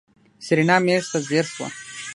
سېرېنا مېز ته ځير شوه.